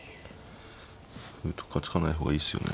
歩とか突かない方がいいっすよね？